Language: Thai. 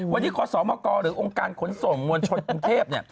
วันนี้ขอสมกหรือองค์การขนส่งมวลชนกรุงเทพ